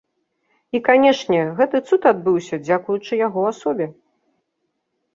І, канешне, гэты цуд адбыўся дзякуючы яго асобе.